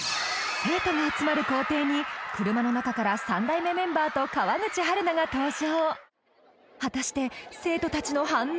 生徒が集まる校庭に車の中から三代目メンバーと川口春奈が登場。